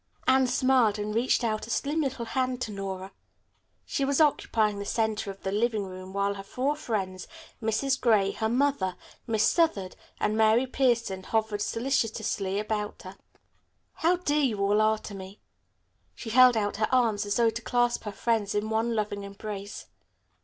Anne smiled and reached out a slim little hand to Nora. She was occupying the center of the living room while her four friends, Mrs. Gray, her mother, Miss Southard and Mary Pierson hovered solicitously about her. "How dear you all are to me." She held out her arms as though to clasp her friends in one loving embrace.